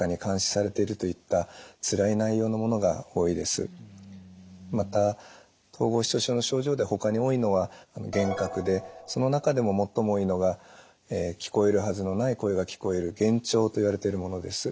１６年前また統合失調症の症状でほかに多いのは幻覚でその中でも最も多いのが聞こえるはずのない声が聞こえる幻聴といわれてるものです。